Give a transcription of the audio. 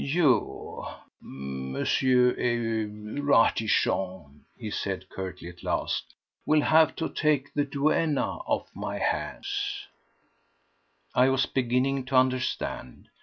"You, M.—er—Ratichon," he said curtly at last, "will have to take the duenna off my hands." I was beginning to understand.